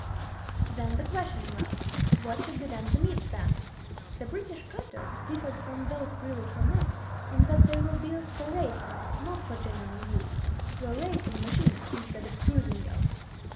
Then the question arose: What should be done to meet them? The British cutters differed from those previously met, in that they were built for racing, not for general use—were "racing machines" instead of cruising yachts.